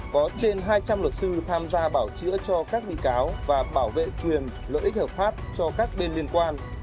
có trên hai trăm linh luật sư tham gia bảo chữa cho các bị cáo và bảo vệ quyền lợi ích hợp pháp cho các bên liên quan